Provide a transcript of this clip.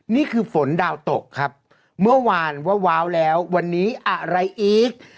นี่คือฝนดาวตกครับเมื่อวานว่าว้าวแล้ววันนี้อะไรอีก